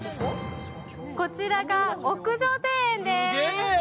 こちらが屋上庭園です。